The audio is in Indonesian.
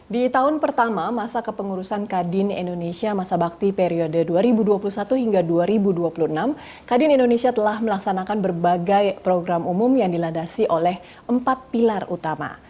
di tahun pertama masa kepengurusan kadin indonesia masa bakti periode dua ribu dua puluh satu hingga dua ribu dua puluh enam kadin indonesia telah melaksanakan berbagai program umum yang diladasi oleh empat pilar utama